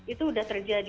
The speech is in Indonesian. itu udah terjadi